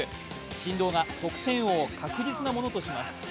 神童が得点王を確実なものとします。